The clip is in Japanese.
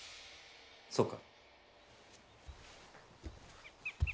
そうか。